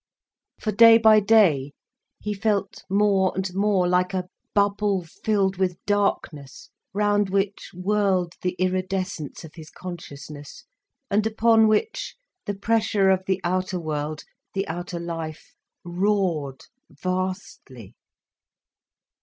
For day by day he felt more and more like a bubble filled with darkness, round which whirled the iridescence of his consciousness, and upon which the pressure of the outer world, the outer life, roared vastly.